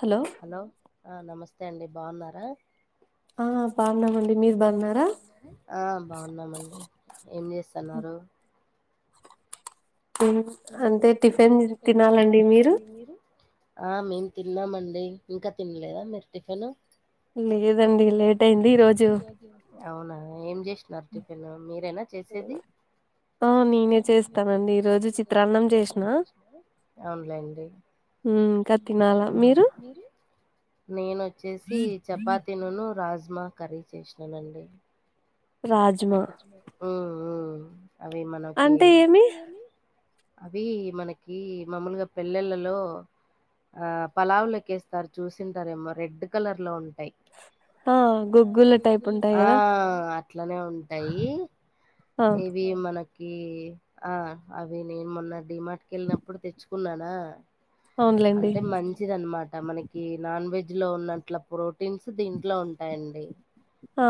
Hello hello ఆ నమస్తే అండి బాగున్నారా ఆ బగున్నామండి మీరు బాగున్నారా ఆ బాగున్నామండి ఏం చేస్తున్నారు ఇ [inaudible] ఉం అంటే టిఫెన్ తినాలండి మీరు ఆ మేము తిన్నామండి ఇంకా తినలేదా మీరు టిఫిన్ లేదండి లేట్ అయింది ఈ రోజు అవునా ఏం చేసి ఎవ్వరు టిఫిను మీరేనా చేసేది ఆన్లైన్ ది మీరు నేనోచ్చేసి చపాతి నను రాజ్మా కర్రీ చేసినానండి రాజమ ఉం ఉం అవి మనకి ఎంత వేయాలి అవి మనకి మామూలుగా పెళ్లళ్లలో ఆ పలావులో కేస్తారు చూసింటారేమో రెడ్ కలర్ లో ఉంటాయి ఆ అట్లానే ఉంటాయి ఇవి మనకు కి ఆ అవి నేను మొన్న డిమార్ట్కి వెళ్ళినప్పుడు తెచ్చుకున్నానా అంటే మంచి మంచిది అన్నమాట మనకి నాన్ వెజ్ లో ఉన్నట్ల ప్రోటీన్స్ దీంట్లో ఉంటాయండి ఆ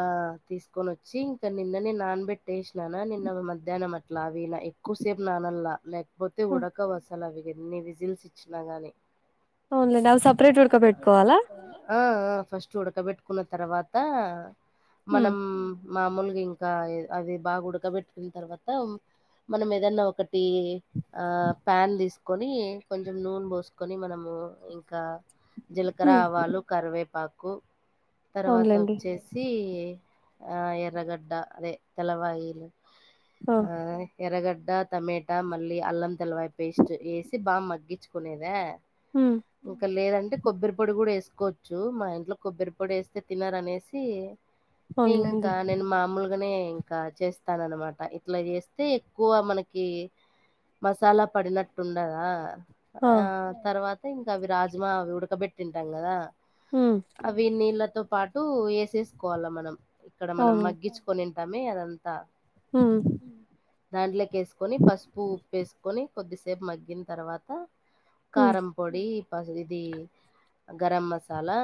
ఆ తీసుకొని వచ్చి ఇంకా నిన్ననే నానబెట్టేసినానా నిన్న మధ్యాహ్నం అట్లా అవినా క్కుసేపు నానల్లా లేకపోతే ఉడక వసలు అవి ఎన్ని విజిల్స్ వచ్చినా గాని అవునులే దాన్ని సపరేట్ ఉడక పెట్కోవాలా ఆ ఫస్ట్ ఉడకబెట్టుకున్న తర్వాత మనం మామూలుగా ఇంకా అది బాగా ఉడకబెట్టుకున్న తర్వాత మనం ఏదైనా ఒకటి ఆ ప్యాన్ తీసుకొని కొంచెం నూనె పోసుకొని మనము ఇంకా జీలకర ఆవాలు కరివేపాకు తర్వాత వచ్చేసి తి ఎర్రగడ్డ అదే తెలవాయిలు ఆ ఎర్రగడ్డ టమేటా మళ్ళీ అల్లం తెలవయ పేస్ట్ వేసి బాగా మగ్గించుకునేదా ఉం ఇంకా లేదంటే కొబ్బరి పొడి కూడా వేసుకోవచ్చు మా ఇంట్లో కొబ్బరి పొడి వేస్తే తినరనేసి ఇంకా నేను మామూలుగనే కా చేస్తాన అనమాట ఇట్లా చేస్తే ఎక్కువ మనకి మసాలా పడినట్టుండదా ఆ తర్వాత ఇంకా అవి రాజమా అవి ఉడకబెట్టింటాం కదా ఉం అవి నీళ్ళతో పాటు వేసేసుకోవాలా మనం ఇక్కడ మనం మగ్గించు కొనింటమే అదంతా ఉం దాంట్లోకి వేసుకొని పసుపు ఉప్పేసుకొని కొద్దిసేపు మగ్గిన తర్వాత కారం పొడి ప ఇది గరం మసాలా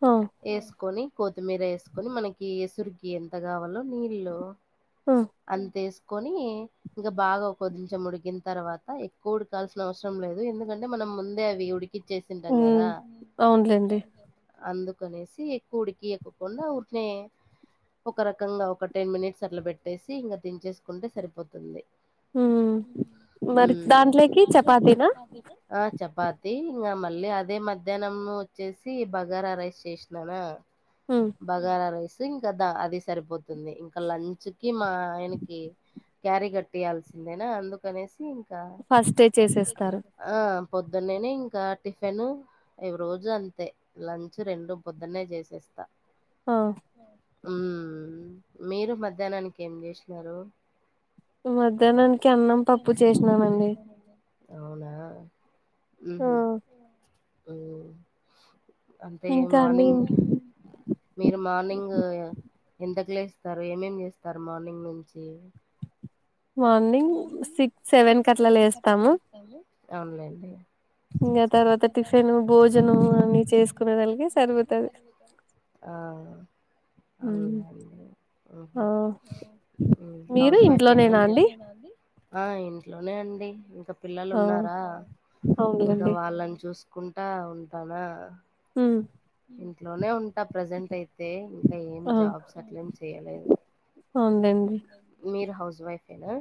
హ వేసుకొని కొత్తిమీర వేసుకొని మనకి ఎసురుకి ఎంత కావాలో నీళ్లు ఆ అంతేసుకొని ఇంక బాగా కొంచం ఉడికిన తర్వాత ఎక్కువ ఉడకాల్సిన అవసరం లేదు ఎందుకంటే మనం ముందే అవి ఉడికిచ్చేసింటాం కదా అందుకనేసి ఎక్కువ ఉడికియకుండా ఉట్నే ఒక రకంగా ఒక టెన్ మినిట్స్ అట్లా పెట్టేసి ఇంకా దించేసుకుంటే సరిపోతుంది ఉం మరి దాంట్లోకి చపాతీనా ఆ చపాతి ఇంగ మళ్ళీ అదే మధ్యాహ్నం ను వచ్చేసి బగారా రైస్ చేసినానా హమ్ బగారా రైస్ ఇంకా ద అది సరిపోతుంది ఇంకా లంచ్ కి మా ఆయనకి క్యారీ కట్టియాల్సిందేనా అందుకనేసి ఇంకా ఆ పొద్దున్నేనే ఇంకా టిఫిన్ అవి రోజు అంతే లంచ్ రెండు పొద్దునే చేసేస్తా ఆ ఉ మీరు మధ్యాహ్నానికి ఏం చేశినరు. మధ్యాహ్నానికి అన్నం పప్పు చేశినామండి. అవునా అంటే మార్నింగ్ మీరు మార్నింగ్ ఎంతకులేస్తారు, ఏమేమి చేస్తారు మార్నింగ్ నుంచి. మార్నింగ్ సిక్స్ సెవెన్ కట్లా లేస్తాము. అవునులేండి. ఇంగ తర్వాత టిఫిన్, భోజనం అన్ని చేసుకునేటలకి సరిపోతది. ఆ అవునులేండి. హౌస్ వైఫేనా మీరు? ఆ ఇంట్లోనే అండి. ఇంక పిల్లలు ఉన్నారా? ఇగ వాళ్ళని చూసుకుంటా ఉంటానా. హ్ ఇంట్లోనే ఉంటా ప్రజెంట్ అయి తే ఇంకా ఏం జాబ్స్ అట్ల ఏం చేయలేదు. మీరు హౌస్ వైఫేనా?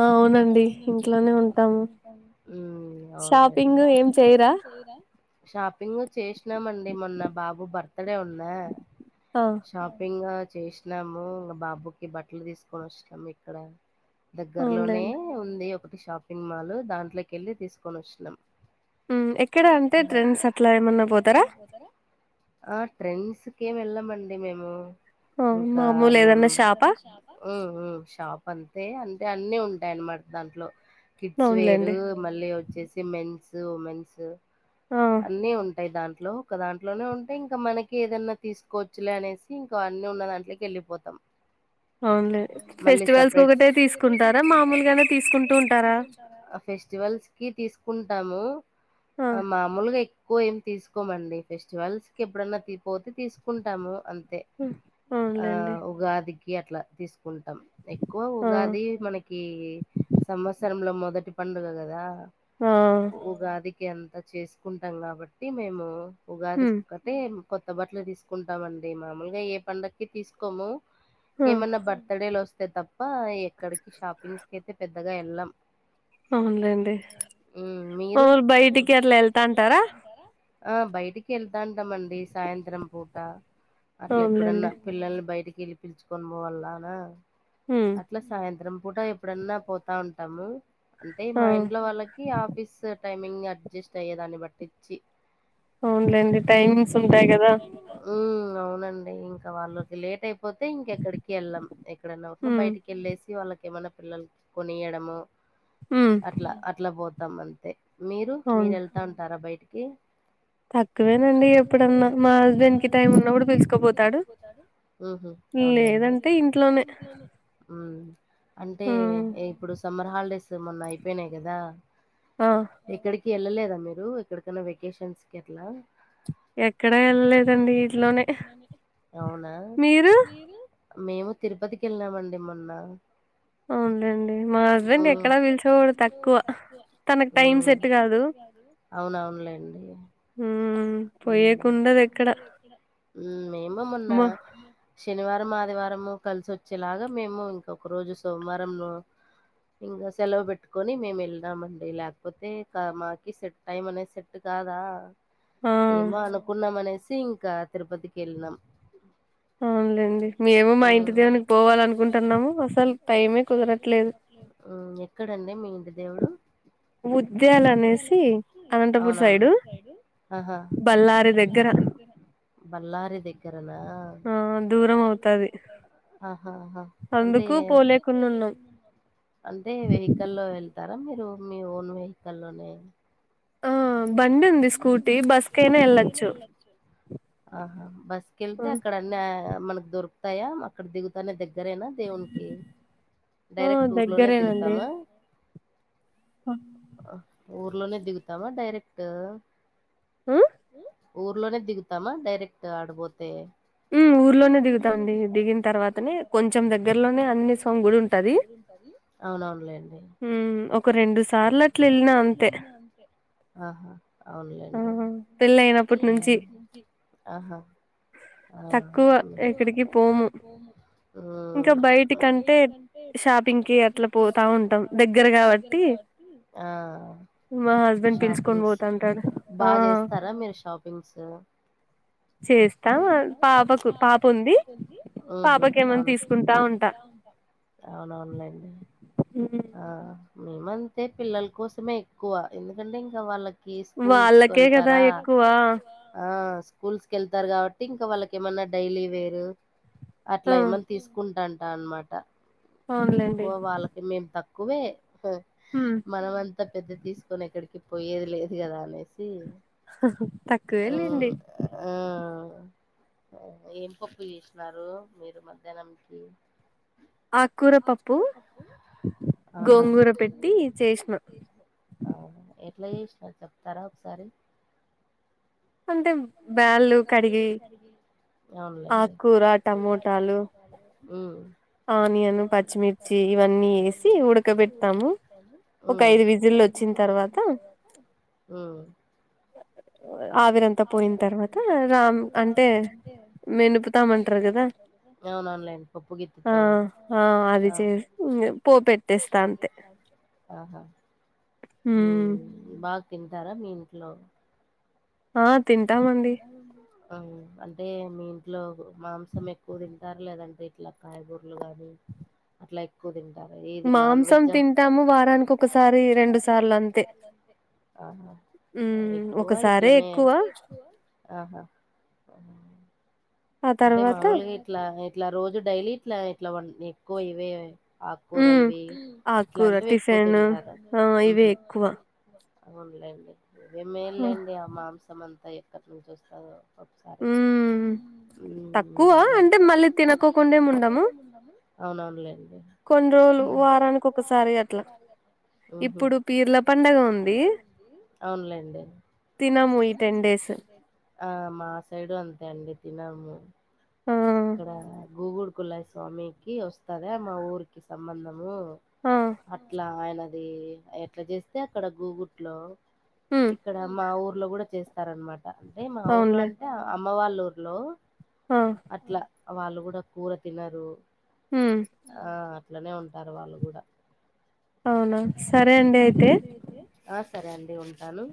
ఆ అవునం అవునండి ఇంట్లోనే ఉంటాను. షాపింగ్ ఏం చేయరా? షాపింగ్ చేశినమండి మొన్న బాబు బర్త్డే ఉండే. ఆ షాపింగా చేశినాము బాబుకి బట్టలు తీసుకొని వచ్చినాము ఇక్కడ. దగ్గరలోనే ఉంది ఒకటి షాపింగ్ మాల్ దాంట్లోకెళ్ళి తీసుకొని వచ్చినం. ఎక్కడ అంటే ట్రెండ్స్ అట్లా ఏమన్నా పోతరా. ఆ ట్రెండ్స్కి ఏం ఎళ్ళమండి మేము. ఇంకా మేము ఉం ఉం షాప్ అంతే అంటే అన్నీ ఉంటాయిన్నమాట దాంట్లో కిడ్స్ వేరు మళ్ళీ వచ్చేసి మెన్స్ ఉమెన్స్ అన్నీ ఉంటాయి దాంట్లో ఒక దాంట్లోనే ఉంటే ఇంకా మనకి ఏదైన్నా తీసుకోవచ్చులే అనేసి ఇంకా అన్ని ఉన్న దాంట్లోకి వెళ్ళిపోతాం మళ్ళీ సపరేట్ [unintelligible] ఫస్టివల్స్ కి తీసుకుంటాము మా మామూలుగా ఎక్కువ ఏమి తీసుకోమండి ఫెస్టివల్స్ కి ఎప్పుడన్నా తీ పోతే తీసుకుంటాము అంతే ఆ ఉగాదికి అట్లా తీసుకుంటాం ఎక్కువ ఉగాది మనకి కి సంవత్సరంలో మొదటి పండుగ కదా ఉగాది కి అంత చేసుకుంటాం కాబట్టి మేము ఉగాది కుక్కర్ అంటే కొత్త బట్టలు తీసుకుంటామండి మామూలుగా ఏ పండగకి తీసుకోము ఏమన్నా బర్త్డేలు వస్తే తప్ప ఎక్కడికి షాపింగ్ క్క. అయితే పెద్దగా వెళ్ళాం ఉమ్ మీరు ఆ బయటికి వెళ్తాంటాం అండి సాయంత్రం పూట అట్ల ఎప్పుడన్నా పిల్లల్ని బయటికి వెళ్ళి పిల్చుకొని పోవాలనా అట్లా సాయంత్రం పూట ఎప్పుడన్నా పోతా ఉంటాము అంటే మా ఇంట్లో వాళ్ళకి ఆఫీస్ టైమింగ్ అడ్జస్ట్ అయ్యే దాన్ని బట్టిచ్చి అవునులేండి టైమింగ్స్ ఉంటాయి కదా ఉమ్ అవునండి ఇంకా వాళ్ళకి లేట్ అయిపో పోతే ఇంకెక్కడికి వెళం ఎక్కడన్నా ఒకన్నా బయటికి వెళ్ళేసి వాళ్ళకి ఏమైన్నా పిల్లల కొనియడము అట్లా అట్లా పోతాం అంతే మీరు మీరల్ వెళ్ళ మాంటర బయటికి తక్కువేనండి ఎప్పుడన్నా మా హస్బెండ్ కి టైం ఉన్నప్పుడు పిలుసుకుపోతాడు ఉహుమ్ అవునులేండి ఉమ్ అంటే ఇప్పుడు సమ్మర్ హాలిడేస్ మొన్న అయిపోయినాయి కదా ఆ ఎక్కడికి వెళ్ళలేదా మీరు ఎక్కడికన్నా వెకేషన్స్ కి అట్లా ఎక్కడ వెళ్ళలేదండి అవును మీరే మేము తిరుపతికి వెళ్ళామండి మొన్న అవునులేండి మా హస్బెండ్ ఎక్కడా పిలిచేవాడు తక్కువ తనకు టైం సెట్ కాదు అవునవునులేండి హమ్ ఊ ఊ మేమ మొన్న శనివారం ఆదివారము కలిసి వచ్చేలాగా మేము ఇంకొక రోజు సోమవారంను ఇంకా సెలవు పెట్టుకొని మేము వెళ్ళినామండి లేకపోతే మాకి సెట్ టైం అనే సెట్ కాదా ఏమో అనుకున్నాం అనేసి ఇంకా తిరుపతికి వెళ్ళినాం అవునులేండి మేము మా ఇంటి దేవునికి పోవాల అనుకుంటున్నాము అసలు టైమే కుదరట్లేదు ఆ ఎక్కడండి మీ ఇంటి దేవుడు అవునవును ఆహా బళ్ల్ళారి దగ్గరనా ఆ దూరం అవుతది ఆహాహా అంటే అంటే వెహికల్లో వెళ్తారా మీరు మీ ఓన్ వెహికల్ల్లోనే బండి ఉంది స్కూటీ బస్ కి అయినా వెళ్ళొచ్చు ఆహా బస్ కి వెళ్తే అక్కడ అన్ని మనకు దొరుకుతాయా అక్కడ దిగుతానే దగ్గరేనా దేవునికి డైరెక్ట్ ఉర్లోనే దిగుతామా ఊర్లోనే దిగుతామా డైరెక్ట్ ఊర్లోనే దిగుతామా డైరెక్ట్ ఆడబోతే ఈ ఊర్లోనే దిగుతాఊ దిగిన తర్వాత కొంచెం దగ్గరలోనే అమ్ముకుండు ఉంటది అవునవునులేండి ఆహా ఆవును లేండి ఆహా ఆ ఊ అ షాపింగ్కియట్ల పోతా ఉంటాం దగ్గర కాబట్టి ఆ మా హస్బండ్ తేలుసు పింగ్స్ బాగా చేస్తారా మీరు షాపింగ్స్ త కాగచ్చ కాదంది తీసుకుంటా ఉంటాను అవునవునులేండి హ ఆ మేమంతే పిల్లల కోసమే ఎక్కువ ఎందుకంటే ఇంకా వాళ్ళకి ఇ స్కూల్స్ కి వెళ్తారా ఆ స్కూల్స్ కెళ్తారు కాబట్టి ఇంకా వాళ్ళకి ఏమన్నా డైలీ వేరు అట్లా ఏమని తీసుకుంటాంటా అన్నమాట ఎక్కువ వాళ్ళకి మేము తక్కువే ఊ మనమంతా పెద్ద తీసుకొని ఎక్కడికి పోయేది లేదు కదా అనేసి మ్ అ ఆ ఏం పప్పు చేసినారు మీరు మధ్యానం కి ఆకూరపప్పు ఆహా అవు ఎట్లా చేసినారు చెప్తారా ఒకసారి అంటే బ్యాళ్ళు కడిగి అవున్లైతే మ్ ఆనియన్ పచ్చిమిర్చి ఇవన్నీ వేసి ఉడకబెడతాము ఊ ఒక ఐదు విధ్యలు వచ్చిన తర్వాత ఊ ఆవిరంతా పోయిన తర్వాత రామ్ అంటే మనుపుతామంటారు కదా ఆ ఆ అది చేసి ఇంగ పో పెట్టస్తా అంతే ఆహా మ్ బాగా తింటారా మీ ఇంట్లో ఆ తింటామ్ ఆ ఉ అంటే మీ ఇంట్లో మాంసం ఎక్కువ తింటారు లేదంటే ఇట్లా కాయగూరలు గాని అట్లా ఎక్కువ తింటారు ఏది నాన్ వెజ్ మాంసం తింటాము వారానికి ఒకసారి రెండుసార్లు అంతే ఆహా అది ఎక్కువ ఇట్లనే ఆహా అంటే మామూలుగా ఇట్లా ఇట్లా రోజు డైలీ ఇట్లా ఇట్లా ఎక్కువ ఇవే ఆకూరలవి ఇట్లాంటివి ఎక్కువ తింటారు మ్ అవునులేండి ఇ మేల్లేండి ఆ మాంసం అంతా ఎక్కడి నుంచి వస్తందో మ్ తక్కువ అంటే మళ్ళీ తినకోకుండే ఉండము అవుననులేండి కొన్ని రోజులు వారానికి ఒకసారి అట్లా మ్ హ్ అవునులేండి తినము యి టెన్ డేస్ ఆ మా సైడు అంతే అండి తినము ఇక్కడ గూగుల్ కుళయి స్వామికి వస్తదా మా ఊరికి సంబంధము అట్లా ఆయన అది ఎట్లా చేస్తే అక్కడ గూగుట్ లో ఇక్కడ మా ఊర్లో కూడా చేస్తే ఇస్తారనమాట అంటే మా ఊర్లో అంటే అమ్మ వాళ్ళ ఊర్లో ఆ అట్లా వాళ్ళు కూడా కూర తినరు మ్ ఆ అట్లనే ఉంటారు వాళ్ళు కూడా అవునా సరే అండి అయితే ఆ సరే అండి ఉంటాను